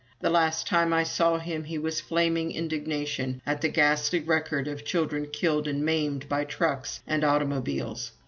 The last time I saw him he was flaming indignation at the ghastly record of children killed and maimed by trucks and automobiles.